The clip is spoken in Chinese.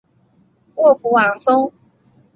沃普瓦松。